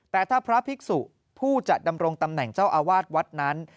แต่ถ้าพระภิกษุผู้จะดำรงตำแหน่งเจ้าอาวาสวัดนั้น